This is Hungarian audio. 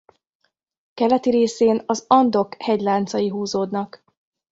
Keleti részén az Andok hegyláncai húzódnak.